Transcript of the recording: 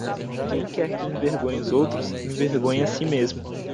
Quem quer que envergonhe os outros, envergonha a si mesmo.